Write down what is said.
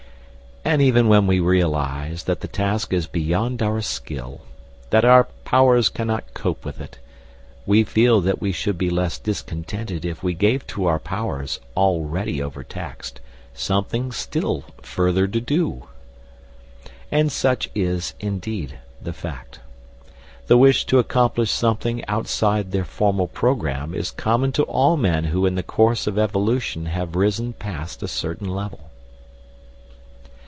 And even when we realise that the task is beyond our skill, that our powers cannot cope with it, we feel that we should be less discontented if we gave to our powers, already overtaxed, something still further to do. And such is, indeed, the fact. The wish to accomplish something outside their formal programme is common to all men who in the course of evolution have risen past a certain level.